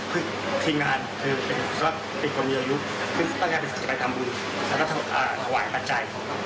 คือทีงานคือเป็นคนเยอร์ยุคต้องการไปทำบุแล้วก็ถวายปัจจัย